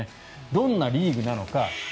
どんなリーグなのか。